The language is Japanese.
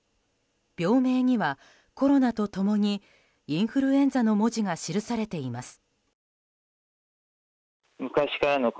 病名には、コロナと共にインフルエンザの文字が記されています。